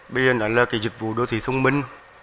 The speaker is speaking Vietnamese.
bây giờ đó là cái dịch vụ đô thị thông minh